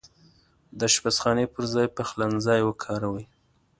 د اشپزخانې پرځاي پخلنځای وکاروئ